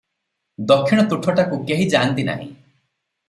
ଦକ୍ଷିଣ ତୁଠଟାକୁ କେହି ଯାଆନ୍ତି ନାହିଁ ।